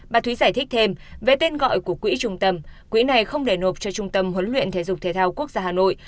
bà thúy giải thích thêm về tên gọi của quỹ trung tâm quỹ này không để nộp cho trung tâm huấn luyện thể dục thể thao quốc gia hà nội